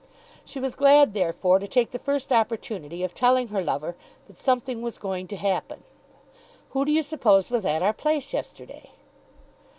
She was glad therefore to take the first opportunity of telling her lover that something was going to happen. "Who do you suppose was at our place yesterday?"